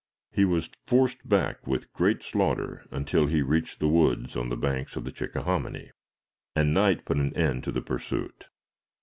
He was forced back with great slaughter until he reached the woods on the banks of the Chickahominy, and night put an end to the pursuit.